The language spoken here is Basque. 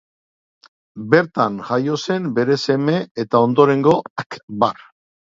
Bertan jaio zen bere seme eta ondorengo Akbar.